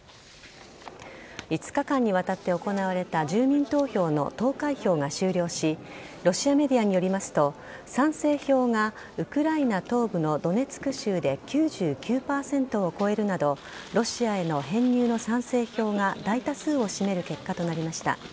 ５日間にわたって行われた住民投票の投開票が終了しロシアメディアによると賛成票がウクライナ東部のドネツク州で９９％を超えるなどロシアへの編入の賛成票が大多数を占める結果となりました。